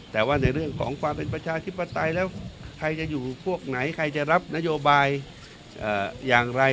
แต่ว่าในเรื่องของความเป็นประชาธิปไตยแล้วใครจะอยู่พวกไหนใครจะรับนโยบายอย่างไร